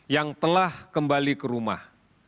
yang telah kembali ke rumah